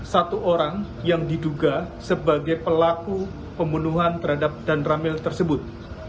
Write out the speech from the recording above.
satu orang yang diduga sebagai pelaku pembunuhan terhadap dan ramil tersebut